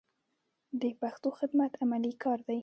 د پښتو خدمت عملي کار دی.